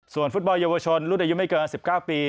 ส่วนฟุตบอลเยาวชนรุ่นอายุไม่เกิน๑๙ปี